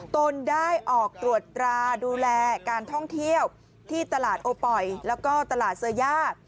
ตนได้ออกตรวจตราดูแลการท่องเที่ยวที่ตลาดโอปอยแล้วก็ตลาดเซอร์ย่า